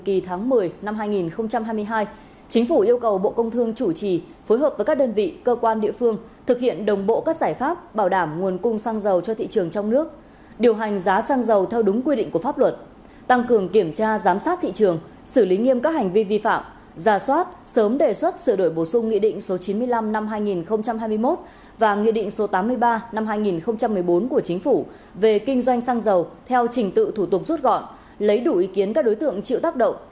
kỳ tháng một mươi năm hai nghìn hai mươi hai chính phủ yêu cầu bộ công thương chủ trì phối hợp với các đơn vị cơ quan địa phương thực hiện đồng bộ các giải pháp bảo đảm nguồn cung sang giàu cho thị trường trong nước điều hành giá sang giàu theo đúng quy định của pháp luật tăng cường kiểm tra giám sát thị trường xử lý nghiêm các hành vi vi phạm giả soát sớm đề xuất sửa đổi bổ sung nghị định số chín mươi năm năm hai nghìn hai mươi một và nghị định số tám mươi ba năm hai nghìn một mươi bốn của chính phủ về kinh doanh sang giàu theo trình tự thủ tục rút gọn lấy đủ ý kiến các đối tượng chịu tác động